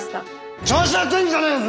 調子乗ってんじゃねえぞ！